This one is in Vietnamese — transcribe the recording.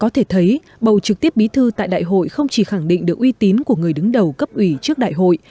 tại đại hội không chỉ khẳng định được uy tín của người đứng đầu cấp ủy trước đại hội